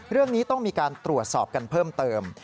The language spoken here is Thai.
เรื่องนี้ต้องมีการตรวจสอบกันเพิ่มเติม